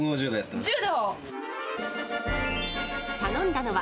柔道？